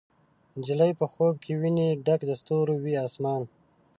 نجلۍ په خوب کې ویني ډک د ستورو، وي اسمان